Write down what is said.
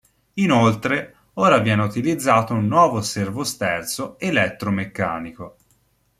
Inoltre, ora viene utilizzato un nuovo servosterzo elettromeccanico.